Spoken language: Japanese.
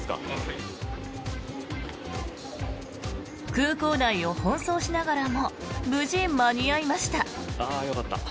空港内を奔走しながらも無事、間に合いました。